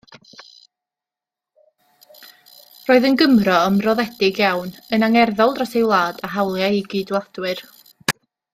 Roedd yn Gymro ymroddedig iawn, yn angerddol dros ei wlad a hawliau ei gydwladwyr.